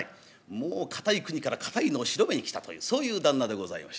もう堅い国から堅いのを広めに来たというそういう旦那でございます。